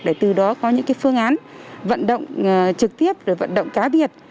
để từ đó có những phương án vận động trực tiếp rồi vận động cá biệt